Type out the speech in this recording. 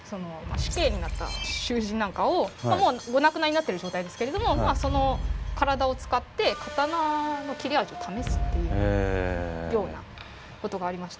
死刑になった囚人なんかをもうお亡くなりになっている状態ですけれどもその体を使って刀の切れ味を試すっていうようなことがありまして。